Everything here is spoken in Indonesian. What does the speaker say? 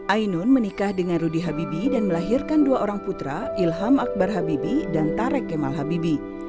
ainun menikah dengan rudy habibi dan melahirkan dua orang putra ilham akbar habibi dan tarek kemal habibi